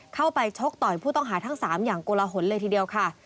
เข้าไปชกต่อยผู้ต้องหาทั้ง๓อย่างกละหละทีเดียวค่ะ